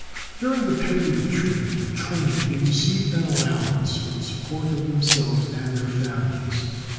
During the period of treatment and training they receive an allowance for the support of themselves and their families.